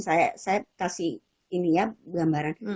saya kasih ini ya gambaran